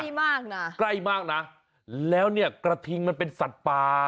มากนะใกล้มากนะแล้วเนี่ยกระทิงมันเป็นสัตว์ป่า